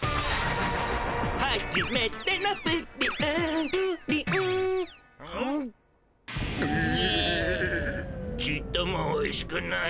「はじめてのプリン」「プリン」ちっともおいしくない。